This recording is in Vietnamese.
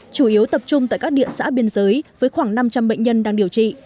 chủ yếu tập trung tại các địa xã biên giới với khoảng năm trăm linh bệnh nhân đang điều trị